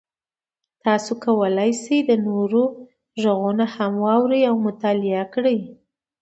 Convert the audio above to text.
تاسو کولی شئ د نورو غږونه هم واورئ او مطالعه کړئ.